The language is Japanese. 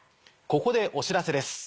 ここでお知らせです。